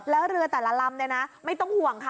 แล้วเรือแต่ละลำเนี่ยนะไม่ต้องห่วงค่ะ